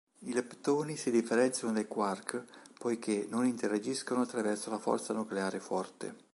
I leptoni si differenziano dai quark poiché non interagiscono attraverso la forza nucleare forte.